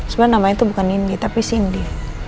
sebenarnya namanya itu bukan nindi tapi sindi